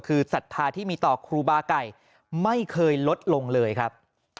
ที่มีศัฐราติมีต่อกครูบาไก่ไม่เคยลดลงเลยครับ